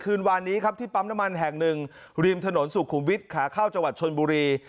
วานนี้ครับที่ปั๊มน้ำมันแห่งหนึ่งริมถนนสุขุมวิทย์ขาเข้าจังหวัดชนบุรี